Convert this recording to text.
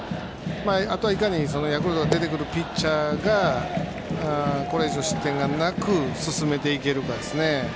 あとはいかにヤクルトが出てくるピッチャーがこれ以上失点なく進めていけるかですね。